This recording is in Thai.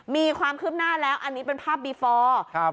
มีความขึ้นหน้าแล้วอันนี้เป็นภาพครับ